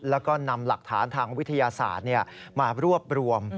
แล้วก็นำหลักฐานทางวิทยาศาสตร์มารวบรวม